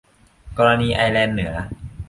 กรณีไอร์แลนด์เหนือ